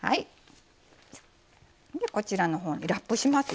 でこちらのほうにラップしますよ。